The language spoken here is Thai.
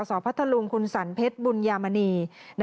สพัทธลุงคุณสันเพชรบุญยามณี